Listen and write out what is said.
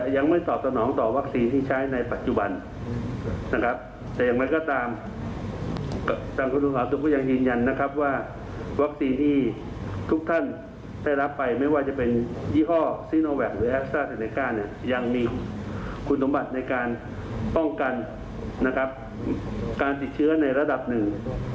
ยังมีคุณสมบัติในการป้องกันการติดเชื้อในระดับหนึ่ง